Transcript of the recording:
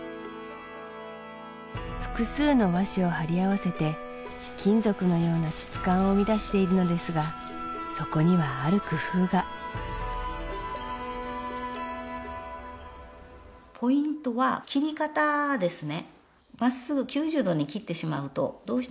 複数の和紙を貼り合わせて金属のような質感を生み出しているのですがそこにはある工夫がポイントは切り方ですね